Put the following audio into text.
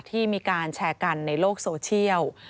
ที่มีการแชร์กันในโลกโซเชียล